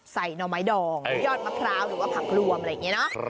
ใส่น่อไม้ดองยอดมะพราวหรือผักรวมอะไรแบบนี้